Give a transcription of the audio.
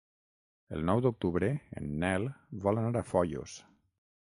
El nou d'octubre en Nel vol anar a Foios.